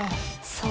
そう。